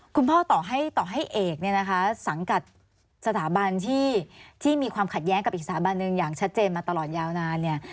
ต่อให้ต่อให้เอกเนี่ยนะคะสังกัดสถาบันที่มีความขัดแย้งกับอีกสถาบันหนึ่งอย่างชัดเจนมาตลอดยาวนานเนี่ย